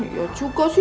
iya juga sih